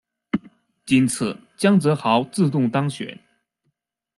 今次江泽濠自动当选。